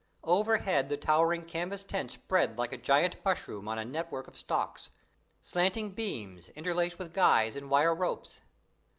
Overhead the towering canvas tent spread like a giant mushroom on a network of stalks slanting beams, interlaced with guys and wire ropes.